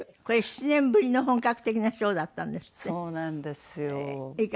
これ７年ぶりの本格的なショーだったんですって？